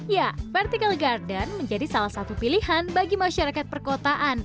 ya vertical garden menjadi salah satu pilihan bagi masyarakat perkotaan